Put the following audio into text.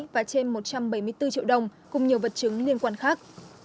và trên một trăm bảy mươi bốn triệu đồng cùng nhiều vật chứng liên quan khác